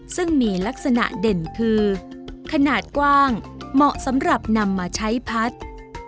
ซึ่งมีลักษณะเด่นคือขนาดกว้างเหมาะสำหรับนำมาใช้พัด